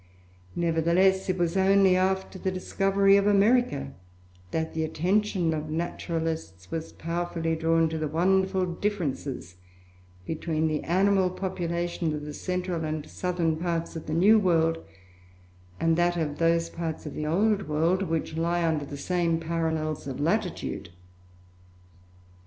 Nevertheless, it was only after the discovery of America that the attention of naturalists was powerfully drawn to the wonderful differences between the animal population of the central and southern parts of the new world and that of those parts of the old world which lie under the same parallels of latitude.